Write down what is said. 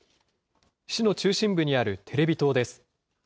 市の中心部にあるテレビ塔です。